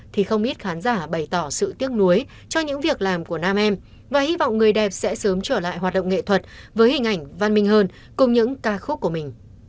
thì không ít khán giả bày tỏ sự tiếc nuối cho những việc làm của nam em và hy vọng người đẹp sẽ sớm trở lại hoạt động nghệ thuật với hình ảnh văn minh hơn cùng những ca khúc của mình